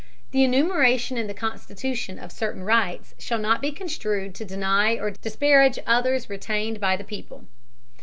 The enumeration in the Constitution, of certain rights, shall not be construed to deny or disparage others retained by the people.